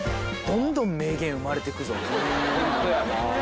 ホントやな。